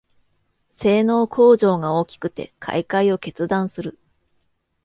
性能向上が大きくて買いかえを決断する